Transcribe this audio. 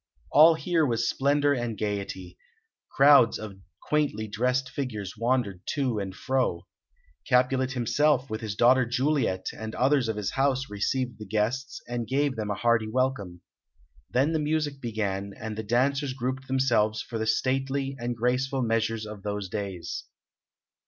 All here was splendour and gaiety. Crowds of quaintly dressed figures wandered to and fro. Capulet himself, with his daughter Juliet and others of his house, received the guests, and gave them a hearty welcome. Then the music began, and the dancers grouped themselves for the stately and graceful measures of those days.